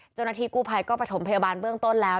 เจ้าหน้าที่กู้ภัยก็ประถมพยาบาลเบื้องต้นแล้ว